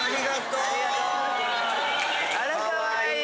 あらかわいい。